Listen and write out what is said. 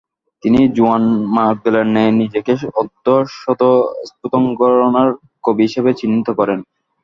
তিনি জোয়ান মার্গেলের ন্যায় নিজেকে অর্ধ-স্বতস্ফুর্তঘরাণার কবি হিসেবে চিহ্নিত করেন।